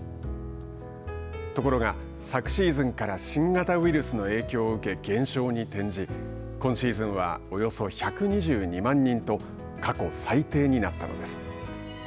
ところが昨シーズンから新型ウイルスの影響を受け減少に転じ今シーズンはおよそ１２２万人と過去最低になったのです。